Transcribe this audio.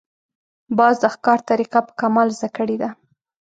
باز د ښکار طریقه په کمال زده کړې ده